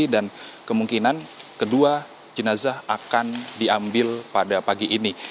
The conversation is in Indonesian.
dan kemungkinan kedua jenazah akan diambil pada pagi ini